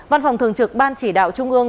văn phòng thường trực ban chỉ đạo trung ương